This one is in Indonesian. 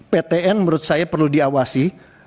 ptn menurut saya perlu diawasi